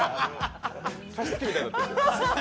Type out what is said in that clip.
加湿器みたいになってる。